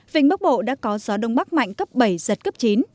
vịnh bắc bộ đã có gió đông bắc mạnh cấp bảy giật cấp chín